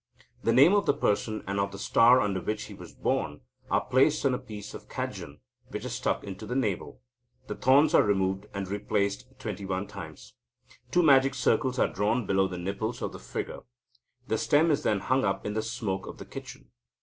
The name of the person, and of the star under which he was born, are written on a piece of cadjan, which is stuck into the navel. The thorns are removed, and replaced twenty one times. Two magic circles are drawn below the nipples of the figure. The stem is then hung up in the smoke of the kitchen.